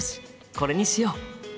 これにしよう。